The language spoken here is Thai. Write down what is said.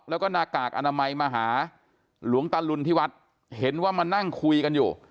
แล้วก็หน้ากากอนามัยมาหาหลวงตะลุนที่วัดเห็นว่ามานั่งคุยกันอยู่